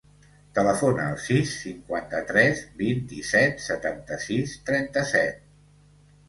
Telefona al sis, cinquanta-tres, vint-i-set, setanta-sis, trenta-set.